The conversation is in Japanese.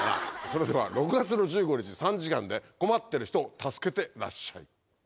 それでは６月１５日３時間で困ってる人を助けてらっしゃい。